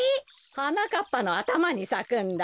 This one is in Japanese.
はなかっぱのあたまにさくんだよ。